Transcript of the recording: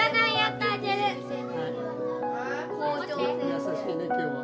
優しいね今日は。